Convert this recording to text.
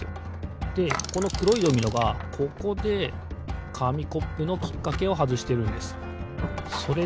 でこのくろいドミノがここでかみコップのきっかけをはずしてるんです。